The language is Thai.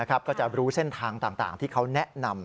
ก็จะรู้เส้นทางต่างที่เขาแนะนำ